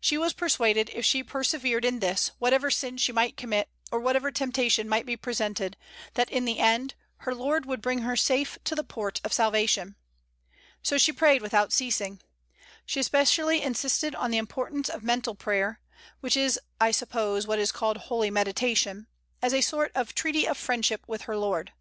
She was persuaded if she persevered in this, whatever sin she might commit, or whatever temptation might be presented, that, in the end, her Lord would bring her safe to the port of salvation. So she prayed without ceasing. She especially insisted on the importance of mental prayer (which is, I suppose, what is called holy meditation) as a sort of treaty of friendship with her Lord.